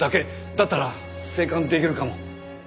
だったら静観できるかも。